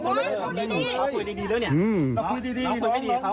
น้องคุยดีดีดีดีแล้วเนี้ยอืมน้องคุยดีดีดีเขา